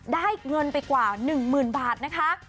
ได้เงินไปกว่าหนึ่งหมื่นบาทนะคะ